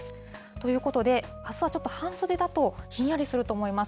ということで、あすはちょっと半袖だと、ひんやりすると思います。